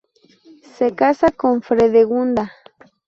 Se casa con Fredegunda.